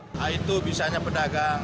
nah itu bisanya pedagang